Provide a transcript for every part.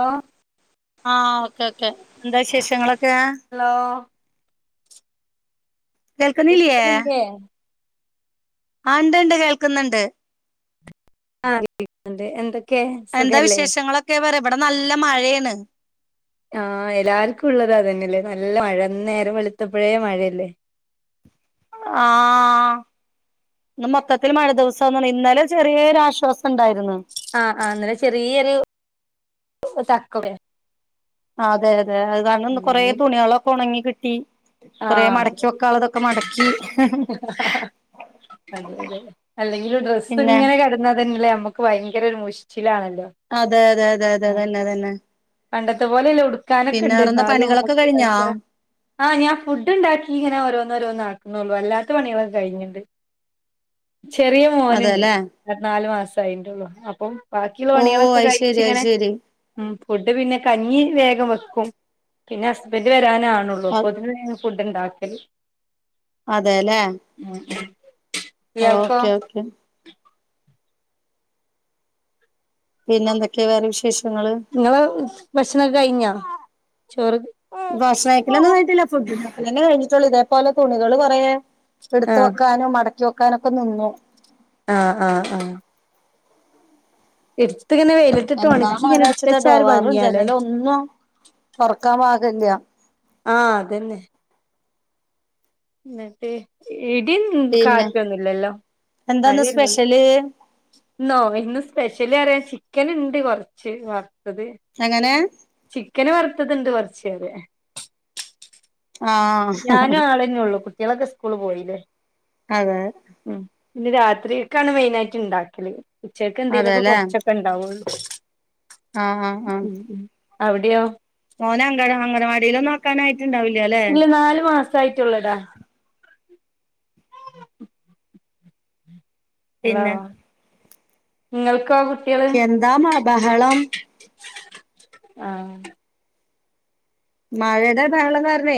ഓ ആ okay okay എന്താ വിശേഷങ്ങളൊക്കെ ഹലോ കേൾക്കുന്നില്ലേ കേൾക്ക്ണ്ല്ലേ ആണ്ട് ണ്ട് കേൾക്കുന്നുണ്ട് ആ കിട്ടി [unintelligible] എന്ത് എന്താ വിശേഷങ്ങളൊക്കെ പറ ഇവിടെ നല്ല മഴയാണ് ആ എല്ലാവർക്കും ഉള്ളത അതന്നെയല്ലേ നല്ല മഴ നേരം വളുത്തപ്പഴേ മഴയല്ലേ ആഹ് ഇന്ന് മൊത്തത്തിൽ മഴ ദിവസാന്ന് ഇന്നല ചെറിയൊരു ആശ്വാസം ഉണ്ടായിരുന്നു ആഹ് ആഹ് ഇന്നലെ ചെറിയൊരു തക്കേ അതെ അതെ അത് കാരണംന്ന് കൊറെ ഉം തുണിളൊക്കെ ഉണങ്ങി കിട്ടി കുറേ ആഹ് മടക്കി വെക്കാനുള്ളതൊക്കെ മടക്കി അതെ അതെ അല്ലെങ്കിൽ ഡ്രസ് പിന്നെ ഇങ്ങനെ കട എന്ന തന്നെയല്ലേ നമ്മുക്ക് ഭയങ്കര ഒരു മുശിച്ചിലാണല്ലോ അതെ തെ തെ തെ അതന്നെ അതന്നെ പണ്ടത്തെ പോലെല്ല ഉടുക്കാനൊക്കെ പിന്നെ ഉണ്ട് വേറെന്താ ഈന്നാലും പണികളൊക്കെ നമുക്ക് കഴിഞ്ഞോ ഭയങ്കര ആ ഞാൻ ഫുഡ്ണ്ടാക്കി ഇങ്ങനെ ഓ രോന്ന ഓരോന്ന ആക്കുന്നുള്ളു അല്ലാത്ത പണികളും കഴിഞ്ഞട്ടണ്ട് ചെറിയ മോനുണ്ട് അതെല്ലേ പ നാല് മാസ ആയിണ്ടുള്ളു അപ്പം ബാക്കിയുള്ള ഓ പണികളൊക്കെ അത് ശരി അത് കഴിച്ചിങ്ങനെ ശരി ഉം ഫുഡ് പിന്നെ കഞ്ഞി വേഗം വെക്കും പിന്നെ ഹസ്ബൻഡ് വരാൻ ആണുള്ളൂ അപ്പോ അതിനുള്ളി ഫുഡ് ഉണ്ടാക്കൽ അതെല്ലേ ഉം ഉം ഓക്കേ ഓക്കെ പിന്നെ എന്തൊക്കെയാ വേറെ വിശേഷങ്ങള് നിങ്ങള് ഭക്ഷണക്കെ കഴിഞ്ഞാ ചോറ് ഫുഡൊക്കെ തന്നെ കഴിഞ്ഞിട്ടുള്ളൂ ഇതേപോലെ തുണികള് കുറേ എടുത്ത് വെക്കാനും മടക്ക ചോക്കാനൊക്കെ നിന്നു ആഹ് ആഹ് ആഹ് എടുത്തിങ്ങനെ വെ എന്നാ മാലാച്ചിട്ട ഡോവാറും ജനല ഒന്നും തൊറക്കാൻ പാകില്ല ആഹ് അതന്നെ എന്നിട്ടേ ഇടിയും പിന്നെ കാറ്റൊന്നുമില്ലല്ലോ എന്താന്ന് മഴയൊന്നുമല്ല [unintelligible] ഇന്നോ ഇന്ന് സ്പെഷ്യലി പറയാൻ ചിക്കൻ ഉണ്ട് കുറച്ച് വറുത്തത് എങ്ങനെ ചിക്കന് വറുത്തത്ണ്ട് കുറച്ചത ആഹ് ഞാനും ആളന്നെ ഉള്ളു കുട്ടികളൊക്കെ സ്കൂള് പോയില്ലേ അതെ ഉം പിന്നെ രാത്രിക്കാണ് മെയിന ആയിട്ട് ഉണ്ടാക്കല് ഉച്ചക്ക് എന്തെങ്കിലുമൊക്കെ അതെല്ലേ കുറച്ചൊക്കെ ഉണ്ടാവുള്ളൂ ആഹ് അവിടെയാ മോനെ അങ്കട അങ്കനവാടിൽ ഒന്നോക്കാനായിട്ട് ഉണ്ടാവില്ല അല്ലേ ഇല്ല നാല് മാസ ആയിട്ടുള്ളടാ ഹലോ പിന്നെ നിങ്ങൾക്കോ എന്താ മാ ബഹളം ആഹ മഴയുടെ ബഹളം കാരണെ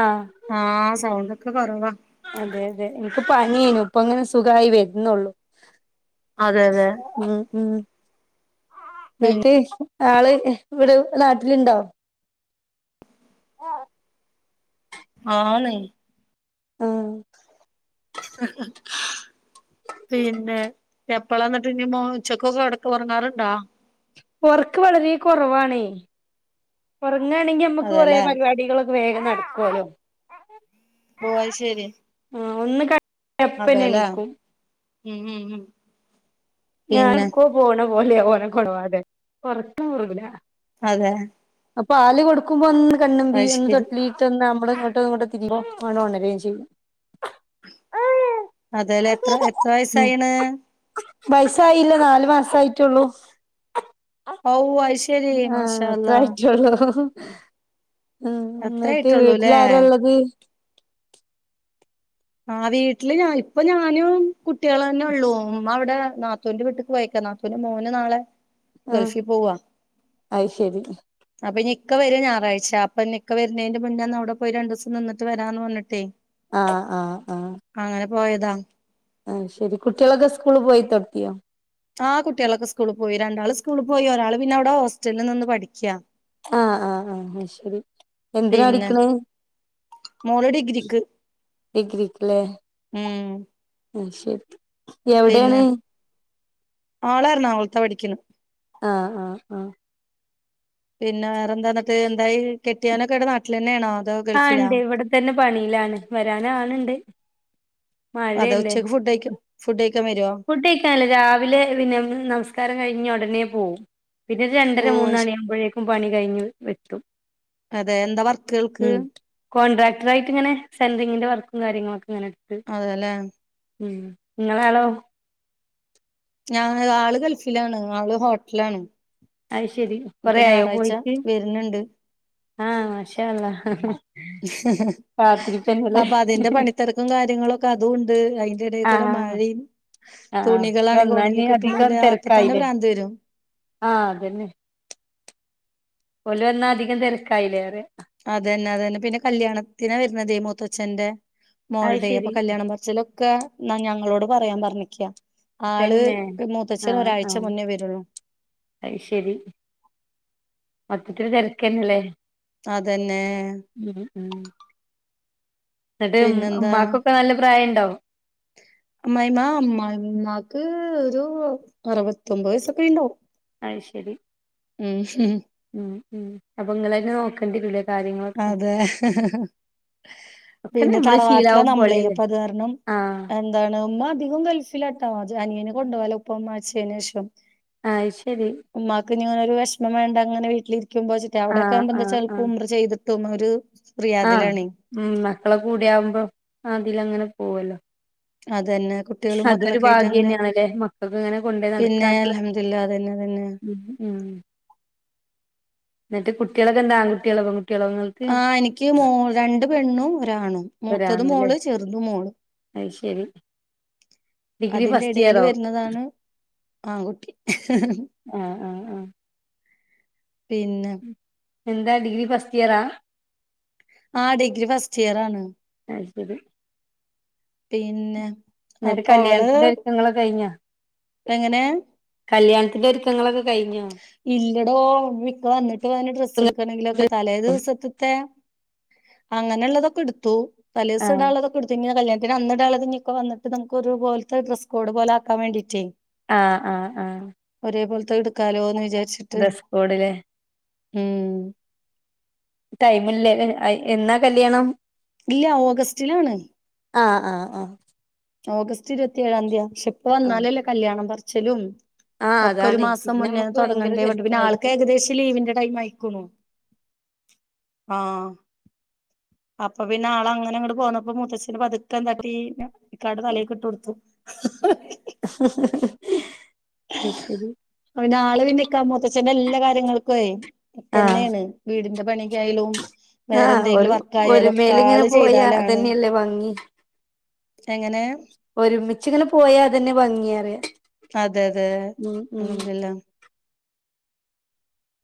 ആഹ് ആഹ സൗണ്ട് ഒക്കെ കൊറവ അതെ അതെ എനിക്ക് പനിയനു ഇപ്പ അങ്ങനെ സുഖമായി വരുന്നുള്ളൂ അതെ അതെ ഉം ഉം പി എന്നിട്ട് ആള് ഇവിടെ നാട്ടിലുണ്ടാേ? ആണ് ആഹ ഹ ഹ പിന്നെ എപ്പള ന്നിട്ട് ഇനി മോൻ ഉച്ചക്കൊക്കെ ഇടക്ക് ഉറങ്ങാറുണ്ടോ? ഉറക്ക് വളരെ കുറവാണേ ഉറങ്ങാണെങ്കി നമ്മുക്ക് കുറെ അതെല്ലേ പരിപാടികളൊക്കെ വേഗം നടക്കുവാലോ ഓ അത് ശരി ആഹ് ഒന്ന് കെ അതെല്ലേ ഉം ഉം ഉം ഞാൻ ഇപ്പോ പോണ പോലെയാ ഓനെ കൊണവാതെ ഒറക്കം പോവുല അതെ പാല് കൊടുക്കുമ്പോ ഒന്ന് കണ്ണമ്പി അത് ഒന്ന് ശരി തൊട്ടിലി ത്തും നമ്മ അങ്ങോട്ട ഇങ്ങോട്ട് തിരിയുമ്പം ഓണ് ഒണരുകയും ചെയ്യും അതേലേ എത്ര എത്ര വയസായിണ് വൈസായില്ലാ നാല് മാസായിട്ടുള്ളൂ ഓഹ് അശ് ആഹ അത്രായിട്ടൊള്ളു ഉം അത്രേ എന്നിട്ട് ആയിട്ടുള്ളൂല്ലേ വീട്ടിലാരാള്ളത് ആഹ് വീട്ടില് ഞാൻ ഇപ്പൊ ഞാനും കുട്ടികളന്നെ ഉള്ളൂ ഉമ്മ അവടെ നാ ത്തുന്റെ വീട്ടേക്ക് പോയേക്കാ നാത്തുന്റെ മോന് നാളെ ഗൾഫീ പോവുവ അയ്ശെരി അപ്പൊ ഇനി ഇക്ക വര ഞായറാഴ്ച അപ്പയിനി ഇക്ക വരണെന്ന് മുന്നേന്ന് അവടെ പോയി രണ്ടൂസം നിന്നട്ട് വരാന്ന് പറഞ്ഞിട്ടേ ആഹ ആഹ ആഹ അങ്ങനെ പോയതാ ആഹ ശെരി കുട്ടിയോളൊക്കെ സ്കൂളി പോയി തൊടങ്ങിയോ? ആഹ് കുട്ടിയോളൊക്കെ സ്കൂളി പോയി രണ്ടാള് സ്കൂളി പോയി ഒരാള് പിന്നവ്ടെ ഹോസ്റ്റലിൽ നിന്ന് പഠിക്കാ ആഹ് ആഹ് ആഹ് ആഹ് ശെരി എന്തിനാ പിന്നെ പടിക്കണേ മോള് ഡിഗ് ഡിഗ്രിക്കല്ലേ ഉം അയ്ശെരി പിന്നെ മോളെർണാകുളത്താ പഠിക്കുന്നെ ആഹ ആഹ ആഹ പിന്നെ വേറെന്താ എന്നിട്ട് എന്തായി കെട്ടിയാനൊക്കെ ഇവടെ നാട്ടിലന്നെയാണോ? ആഹ് ഇണ്ടേ ഇവടെതന്നെ പണിയിലാണ് വരാനാണ് ണ്ട് അതോ ഉച്ചയ്ക്ക് ഫുഡയ്ക്കാ ഫുഡയ്ക്കാൻ വരോ ഫുഡ്ഡയ്ക്കാൻല്ല രാവിലെ പിന്നെ നമസ്കാരം കഴിഞ്ഞ ഒടനെ പോകും പിന്നെ ഓ രണ്ടര അയ്ശരി മൂന്നണിയാവുമ്പോഴേക്കും പണി കഴിഞ്ഞ് എത്തും അതെ എന്താ വർക്ക്ആൾക്ക് കോൺട്രാക്ടറായിട്ട് ഇങ്ങനെ സെൻറിങ്ങിന്റെ വർക്കും കാര്യങ്ങളു ഒക്കെ ഇങ്ങനെട്ത് അതെല്ലേ ഉം ങ്ങളാളോ ഞാഹ് ആള് ഗൾഫിലാണ് ആള് ഹോട്ടലാണ് അയ്ശെരി കൊറെയായോ പോയിട്ട് വെര്ന്ന്ണ്ട് ആഹ് മാശാഅള്ളാഹ് അപ്പ അതിന്റെ പണിത്തെരക്കും കാര്യങ്ങളൊക്കെ അതും ഉണ്ട് അയ് ൻ്റെടേക്കൂടെ ആഹ് മഴിം ആഹ് തുണികളാണെങ്കി വന്നാ ഒണങ്ങി ഇനി അധികം കിട്ടുണൂല്ലാ അപ്പൊ തന്നെ തിരക്കായില്ലേ ഭ്രാന്തുവെരും ആഹ് അതെന്നെ ഓലുവന്നാ അതികം തെരക്കായില്ലേ അതന്നെ അതന്നെ പിന്നെ കല്ല്യാണത്തിനാ വരുന്നതേ മൂത്തച്ഛന്റെ അത് മോൾടേയ് ശരി അപ്പൊ കല്ല്യാണം പർ ച്ചിലൊക്കെന്നാ ഞങ്ങളോട് പറയാൻ പറഞ്ഞ്ക്ക്യാ ആള് തന്നെ മൂത്തച്ഛൻ ഒരാഴ്ച മുന്നേ വരൂള്ളൂ അയ്ശെരി മൊത്തത്തില് തെരക്കന്നല്ലേ അതന്നേ ഉം ഉം ന്നിട്ട് ഉമ് പിന്നെന്താ ഉമ്മാക്കൊക്കെ നല്ല പ്രായണ്ടോ അമ്മായിമ്മാ അമ്മായിമാക്ക് ഒരു അറുപത്തൊമ്പത് വയസ്സൊക്കെ ആയ്ണ്ടാവും അയ്ശരി ഉം ഉം ഉം അപ്പൊ നിങ്ങളന്നെ നോക്കേണ്ടി വരു അതെ ഒക്കെ പിന്നെ നമ്മള് തറവാട്ടിലാ ശീലാവും നമ്മളെ പോലെയല്ലേ അപ്പൊ അതുകാരണം ആഹ് എന്താണ് ഉമ്മാ അധികവും ഗൾഫിലാട്ടാ അജ് അനിയന് കൊണ്ടു പോവലാ ഉപ്പ ഉമ്മ മരിച്ചേനേഷം ആയ്ശെരി ഉമ്മാക്കിങ്ങനെ ഒരു വെഷമം വേണ്ടാ അങ്ങനെ വീട്ടിലിരിക്കുമ്പോച്ചിട്ടേ ആഹ് അവടൊക്കാവുമ്പോ ആഹ് എന്താചാൽ ആഹ് ഉംറ ചെയ്ത് തും ഒരു ആഹ് റിയാദിലാണേ ഉം മക്കളെ കൂടി ആവുമ്പോ അതില ങ്ങനെ പോവല്ലോ. അതന്നെ കുട്ടികളും അതൊരു മക്കളൊക്കെ ആയിട്ട് അങ്ങനെ ഭാഗ്യന്നേണ്ല്ലേ മക്കൾക്ക് ഇങ്ങനെ കൊണ്ട് പിന്നെ നടക്കാനു അൽഹംദുലില്ലാ അതന്നെ അതന്നെ ഉം ഉം ന്നിട്ട് കുട്ടികളൊക്കെന്താ ആൺക്കുട്ടികളോ, പെൺകുട്ടികളോ ങ്ങൾ ആഹ് എനിക്ക് മൂ രണ്ട് പെണ്ണും ഒരാണും. മൂത്തത് വരാണല്ലേ മോള് ചെറുതുമോള് അത് ശരി ഡിഗ്രി അതിന്റെ ഫസ്റ്റ് എടേല് ഇയറോ വരുന്നതാണ് ആൺകുട്ടി. ആഹ് ആഹ് ആഹ് പിന്നെ ഉം എന്താ ഡിഗ്രി ഫസ്റ്റ് ഇയറാ? ആഹ് ഡിഗ്രി ഫസ്റ്റ് ഇയറാണ്. അത് ശരി പിന്നെ? ന്നിട്ട് അപ്പൊ അവള് കല്ല്യാണത്തിന്റെ ഒരുക്കങ്ങള് കഴിഞ്ഞോ? എങ്ങനെ? കല്ല്യാണത്തിന്റെ ഒരുക്കങ്ങളൊക്കെ കഴിഞ്ഞോ? ഇല്ലടോ ഇക്ക വന്നിട്ട് വേണം ഡ്രസ്സ് എടുക്കണമെങ്കിലൊക്കെ തലേ ദിവസത്ത്ത്തേ അങ്ങനെള്ളതൊക്കെ എടുത്തു തലേദിവസ ആഹ് ഇടാനുള്ളതൊ ക്കെടുത്തു ഇന്നി കല്ല്യാണത്തിന് അന്ന് ഇടാനുള്ളത് ഇനി ഇക്ക വന്നിട്ട്നമ്മുക്ക് ഒരു പോലത്തെ ഡ്രസ് കോഡ് പോലെ ആക്കാൻ വേണ്ടിയിട്ടേ. ആഹ് ആഹ് ആഹ് ഒരേപോൽത്തെ എടുക്കാലോന്ന് വിചാരിച്ചു. ഡ്രസ്കോഡ്ല്ലേ? ഉം ടൈമില്ലേല്ലേ എന്നാ കല്യാണം? ഇല്ല ഓഗസ്റ്റിലാണ്. ആഹ്ആഹ്ആഹ് ഓഗസ്റ്റ് ഇരുപത്തി ഏഴാം തീയതിയയാ. പക്ഷെ ഇപ്പ ആഹ് വന്നാലല്ലേ കല്യാണം പറിച്ചലും ആഹ് ഒക്കെ ഒരു അതാണ് മാസം പിന്നെ മുന്നേന്ന് നമ്മുക്ക് ഭയങ്കര തുടങ്ങണ്ടേ വേണ്ട പിന്നെ ആൾക്ക് തിരക്കായിരിക്കും ഏകദേശം ലീവിന്റെ ടൈം ആയി. ക്ക്ണു ആഹ് അപ്പൊ പിന്നെ ആള് അങ്ങനെ ഇങ്ങട്ട് പോന്നപ്പോ മുത്തച്ഛന് പതുക്കെന്താട്ടി ഇക്കാന്റെ തലേക്ക് ഇട്ട് കൊടുത്തു. [inaudible] അഹ് ശരി അപ്പൊ പിന്നെ ആള് പിന്നെ ഇക്ക മൂത്തച്ഛ്ന്റെ എല്ലാ കാര്യങ്ങൾകൊയ് ആഹ് ഇക്കന്നെണ് വീടിന്റെ പണിക്കായാലും വേറെ ആഹ് ഒരു എന്തെങ്കിലും വർക്കായാലും ഒക്കെ ആള് ചെയ്താലാണ് ല്ലേ ഭംഗി എങ്ങനെ? ഒരുമിച്ചിങ്ങനെ പോയാ അതന്നെ ഭംഗിയേറയാ. അതെ അതെ അല്ഹംദുലില്ലാ.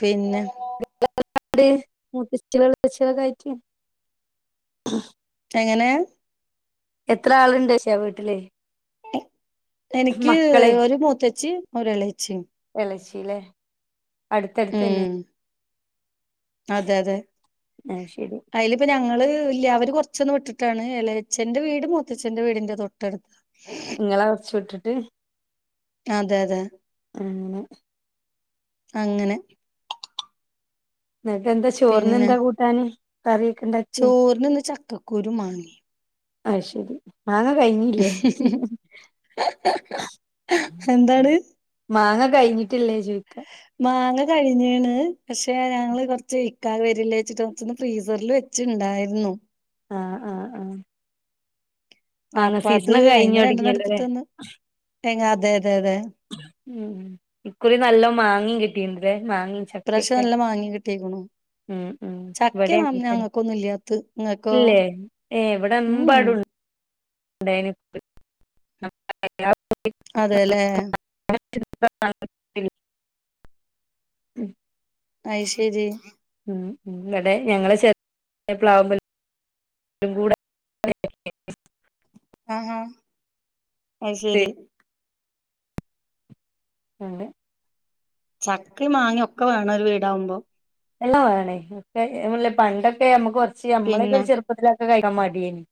പിന്നെ [unintelligible] മൂത്തചേളും എളേച്ചേളും ഒക്കായിട്ട് എങ്ങനെ? എത്ര ആളുണ്ട് ചോദിച്ചാ വീട്ടില്? എനിക്ക് മക്കളെ ഒരു മൂത്തച്ചി ഒരു ഇളേച്ചി. ഇളേച്ചി ല്ലേ? ഉം അതെ അതെ അത് ശരി. ഇപ്പൊ ഞങ്ങള് ഇല്ല അവര് കുറച്ചൊന്ന് വിട്ടിട്ടാണ് എളയച്ഛ്ന്റെ വീടും മത്തച്ഛ് ന്റെ വീടിന്റെ തൊട്ടടുത്ത് ഇങ്ങള കുറച്ചു വിട്ടിട്ട്- അതെ അതെ അങ്ങനെ അങ്ങനെ ന്നട്ടെന്താ ചോറിനെന്താ കൂട്ടാന് കറിയൊക്കണ്ടാ ചോർനിന്ന് ചക്കക്കൂരൂം മാങ്ങി അഹ് ശരി മാങ്ങ കഴ്ഞ്ഞീല്ലേ എന്താണ് മാങ്ങ കഴ്ഞ്ഞിട്ടില്ലേ ചോയ്ക്ക മാങ്ങ കഴിഞ്ഞീണ് പക്ഷെ ഞങ്ങള് കൊർച്ച് ഇക്കാ വരല്ലേച്ചിട്ട് കുറച്ചൊന്ന് ഫ്രീസറില് വെ ച്ച് ണ്ടായിരുന്നു ആഹ് ആഹ് ആഹ് മാങ്ങ അപ്പ അത് സീസണൊക്കെ കഴിഞ്ഞ് അയ്ന്ന് തൊടങ്ങിയല്ലോ ല്ലേ രണ്ടെണ്ണട്ത്തിട്ടൊന്ന് എങ്ങതെതെ അതെ ഉം ഇക്കുറി നല്ലം മാങ്ങി കിട്ടീണ്ട്ല്ലേ മാങ്ങി ഇപ്രാവ്ശ്യം നല്ലം മാങ്ങി കിട്ടിക്കുണു ഉം ഉം ചക്കേ ഇവിടെ നൽ അങ്ങനെ തന്നെ ഞങ്ങക്കൊന്നുല്ലാത്തത് ഇങ്ങക്കോ? ഇല്ലേ ഏഹ് ഇവിടെ ഉംഉം അതെല്ലേ [unintelligible] [unintelligible] അയ് ശരി ഉം ഉം വടെ ഞങ്ങളെ ചെർ [unintelligible] പ്ലാവുമ്മൽ [unintelligible] ആഹ് ആഹ് അയ് ശരി ഉണ്ട് ചക്കിം മാങ്ങി ഒക്കെ വാണൊരു വീടാവുമ്പോ എല്ലാം വാണെയ് ഒക്കെ ഞാൻ പർഞ്ഞീലേ പണ്ടൊക്കെ നമ്മുക്ക് കൊർച്ച് പിന്നെ നമ്മളെക്കൊരു ചെർപ്പത്തിലൊക്കെ അതൊക്കെ കഴിക്കാൻ മടിയേനി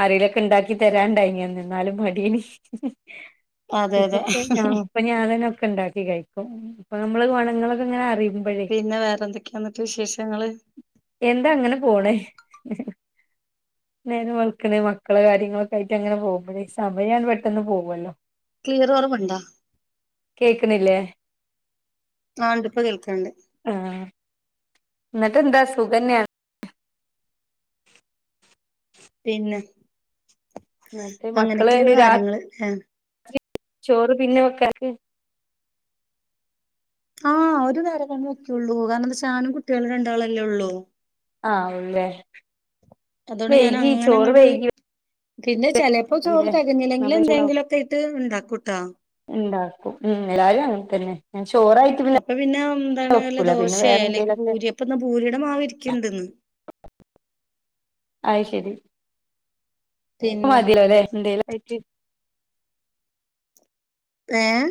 ആരോലെക്കെ ഇണ്ടാക്കി തരാൻ ഇണ്ടായിനി അന്ന് എന്നാലും മടിയേനി അതെ [unintelligible] അതെ ഇപ്പൊ ഞാനെന്നെ ഒക്കെണ്ടാക്കി കഴിക്കും ഇപ്പൊ നമ്മള് ഗൊണങ്ങളൊക്കെങ്ങനെ അറിയുമ്പഴേ പിന്നെ വേറെന്തൊക്കെയാന്നട്ട് വിശേഷങ്ങള് എന്താ അങ്ങനെ പോണ് നേരം വെൾക്ക്ണ് മക്കളെ കാര്യങ്ങളൊക്കെ ആയിട്ട് അങ്ങനെ പോകുമ്പോഴേ സമയണ് പെട്ടന്ന് പോവോല്ലോ ക്ലിയർ കുറവ്ണ്ടോ കേക്ക്ണില്ലേ ആഹ് ഇണ്ട് ഇപ്പൊ കേൾക്ക്ണ്ട് ആഹ് ഇന്നിട്ട് എന്താ സുഖന്നെ പിന്നെ എന്നിട്ട് അങ്ങനെയൊക്കെയാണ് കാര്യങ്ങള് ഏ പിൻ ചോറ് പിന്നെ വെക്കാക്കി ആഹ് ഒരു നേരെന്നെ വെക്കെുള്ളൂ കാരണം എന്തേച്ചാ ഞാനും കുട്ട്യാളും രണ്ടാളല്ലേ ഉള്ളൂ ആഹ് ഒള്ളൂല്ലേ അതുകൊണ്ട് ഞാൻ വൈകി അങ്ങനെ ചോറ് അങ്ങട് വൈകി പിന്നെ ചെലേപ്പോ ചോറ് മതില്ലേ എന്നാ തെകഞ്ഞിലെങ്കി എന്തെകിലൊക്കെയിട്ട് ഇണ്ടാക്കുട്ടോ ഇണ്ടാക്കും ഉം എല്ലാരും അങ്ങനെതന്നെ ഞാൻ ചോറായി അപ്പൊ പിന്നെ എന്താണ് വല്ല ദോശേ അല്ലെങ്കിൽ എന്തേലൊക്കെ ബൂരി ഇപ്പോന്ന ബൂരിയുടെ മാവിരിക്ക്ണ്ട്ന്ന് അയ് ശരി പിന്നെ മതിലോലേ എന്തേലൊക്കായ്റ്റ് ഏഹ്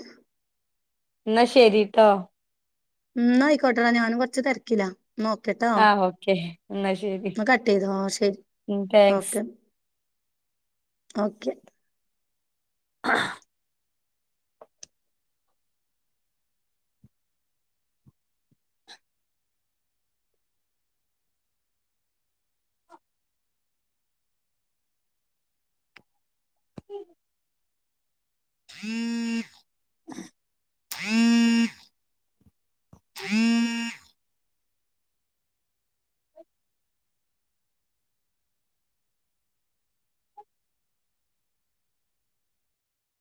ഇന്നാ ശരിട്ടോ ഇന്നായിക്കോട്ടെ ഞാനും കൊർച്ച് തെര്ക്കിലാ നോക്കോട്ടെ ആഹ് ഓക്കെ ന്നാ ശരി ചെയ്തോ ശരി താങ്ക്സ് ഓക്കെ ഓക്കെ